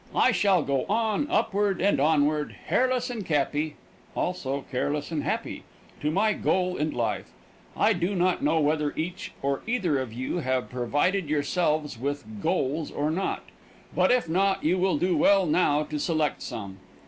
I shall go on upward and onward hairless and cappy, also careless and happy, to my goal in life. I do not know whether each or either of you have provided yourselves with goals or not, but if not you will do well now to select some.